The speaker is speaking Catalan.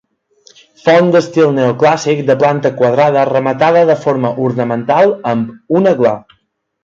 Font d'estil neoclàssic de planta quadrada, rematada de forma ornamental amb una gla.